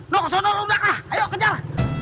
nol ke sana lu udah lah ayo kejar